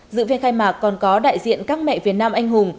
dự phiên khai mạc còn có đại diện các mẹ việt nam anh hùng